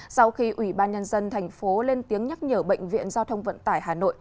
sau khi ủy ban nhân dân thành phố lên tiếng nhắc nhở bệnh viện giao thông vận tải hà nội